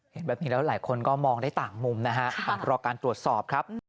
เห็นแบบนี้แล้วหลายคนก็มองได้ต่างมุมนะฮะรอการตรวจสอบครับ